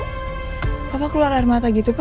kok papa keluar air mata gitu pa